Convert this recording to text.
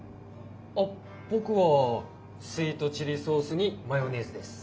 あっ僕はスイートチリソースにマヨネーズです。